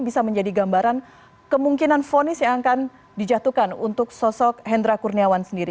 bisa menjadi gambaran kemungkinan fonis yang akan dijatuhkan untuk sosok hendra kurniawan sendiri